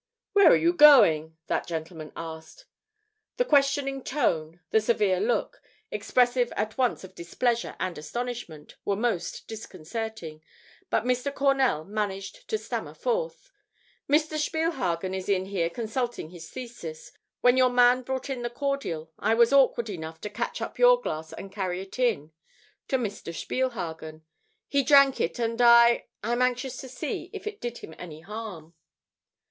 "Where are you going?" that gentleman asked. The questioning tone, the severe look, expressive at once of displeasure and astonishment, were most disconcerting, but Mr. Cornell managed to stammer forth: "Mr. Spielhagen is in here consulting his thesis. When your man brought in the cordial, I was awkward enough to catch up your glass and carry it in to. Mr. Spielhagen. He drank it and I I am anxious to see if it did him any harm."